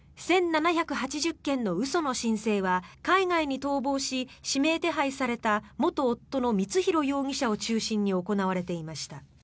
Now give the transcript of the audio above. １７８０件の嘘の申請は海外に逃亡し、指名手配された元夫の光弘容疑者を中心に行われていました。